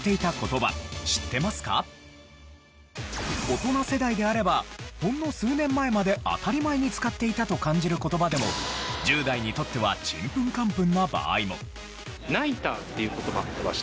大人世代であればほんの数年前まで当たり前に使っていたと感じる言葉でも１０代にとってはちんぷんかんぷんな場合も。